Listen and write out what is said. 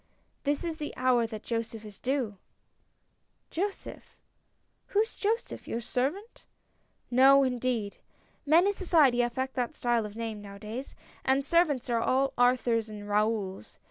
" This is the hour that Joseph is due "" Joseph ? Who is Joseph ? Your servant ?" "No, indeed. Men in society affect that style of name, now a days — and servants are all Arthurs and Raouls.